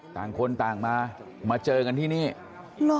ต่างคนต่างมามาเจอกันที่นี่เหรอ